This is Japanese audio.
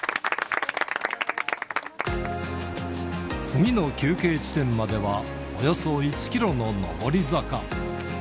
次の休憩地点まではおよそ１キロの上り坂。